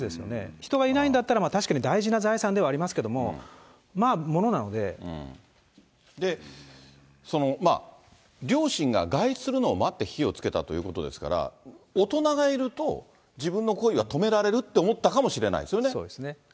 人がいないんだったら、確かに大事な財産ではありますけど、その、まあ、両親が外出するのを待って、火をつけたということですから、大人がいると、自分の行為が止められるって思ったかもしれないですよね。